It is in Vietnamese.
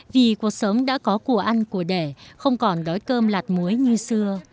vì cuộc sống đã có của ăn của để không còn đói cơm lạt muối như xưa